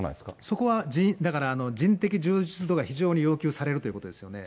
そこは、だから人的充実度が非常に要求されるということですよね。